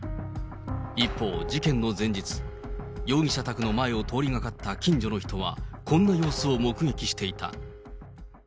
一方、事件の前日、容疑者宅の前を通った近所の人は、こんな様子を目撃していた。